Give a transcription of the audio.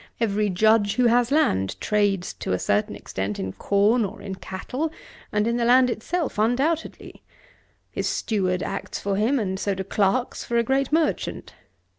Every Judge who has land, trades to a certain extent in corn or in cattle; and in the land itself, undoubtedly. His steward acts for him, and so do clerks for a great merchant.